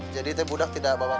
jadi teh budak tidak bapak perlu